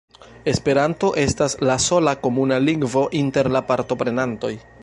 Esperanto estas la sola komuna lingvo inter la partoprenantoj.